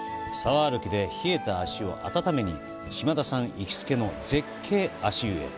歩きで冷えた足を温めに、島田さん行きつけの絶景足湯へ。